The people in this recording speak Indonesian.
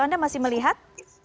anda masih melihat